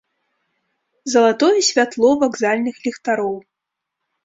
Залатое святло вакзальных ліхтароў.